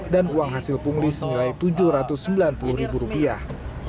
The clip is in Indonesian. dan uang hasil pungli semilai tujuh ratus sembilan puluh ribu rupiah